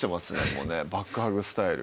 もうねバックハグスタイル